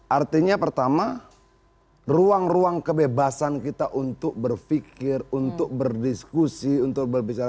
artinya pertama ruang ruang kebebasan kita untuk berpikir untuk berdiskusi untuk berbicara